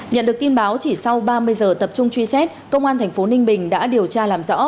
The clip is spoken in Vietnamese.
nhận được tin báo chỉ sau ba mươi giờ tập trung truy xét công an thành phố ninh bình đã điều tra làm rõ